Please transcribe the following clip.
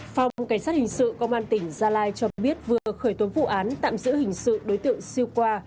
phòng cảnh sát hình sự công an tỉnh gia lai cho biết vừa khởi tố vụ án tạm giữ hình sự đối tượng siêu khoa